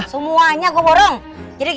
semuanya gue borong